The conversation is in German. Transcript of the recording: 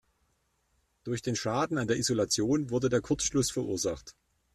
Durch den Schaden an der Isolation wurde der Kurzschluss verursacht.